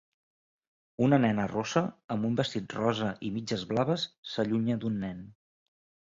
Una nena rossa amb un vestit rosa i mitges blaves s'allunya d'un nen